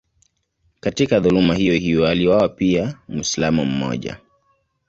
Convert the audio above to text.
Katika dhuluma hiyohiyo aliuawa pia Mwislamu mmoja.